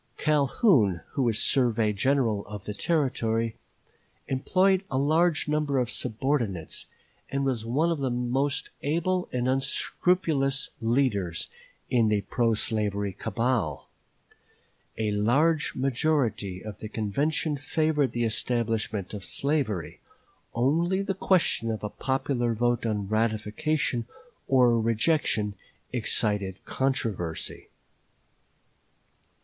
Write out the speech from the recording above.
Calhoun, who was surveyor general of the Territory, employed a large number of subordinates, and was one of the most able and unscrupulous leaders in the pro slavery cabal. A large majority of the convention favored the establishment of slavery; only the question of a popular vote on ratification or rejection excited controversy.